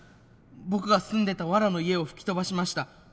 僕が住んでたわらの家を吹き飛ばしました。